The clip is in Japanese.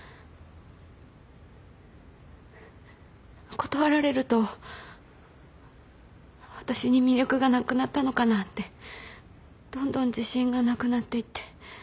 断られると私に魅力がなくなったのかなってどんどん自信がなくなっていって。